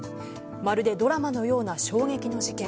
まるでドラマのような衝撃の事件。